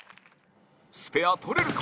スペア取れるか？